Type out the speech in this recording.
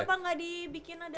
kenapa gak dibikin ada